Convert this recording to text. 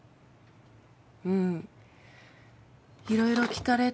うんいろいろ訊かれた。